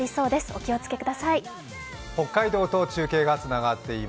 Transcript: お気をつけください。